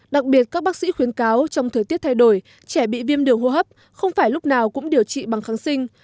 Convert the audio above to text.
đặc biệt các bác sĩ khuyến cáo trong thời tiết thay đổi trẻ bị viêm đường hô hấp không phải lúc nào cũng điều trị bằng kháng sinh